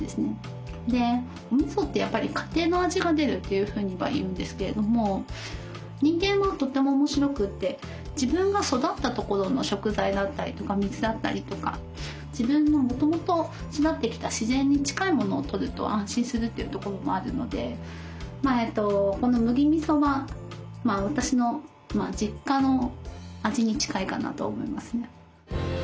おみそってやっぱり家庭の味が出るというふうにはいうんですけれども人間はとても面白くて自分が育ったところの食材だったりとか水だったりとか自分のもともと育ってきた自然に近いものをとると安心するっていうところもあるのでこの麦みそは私の実家の味に近いかなと思いますね。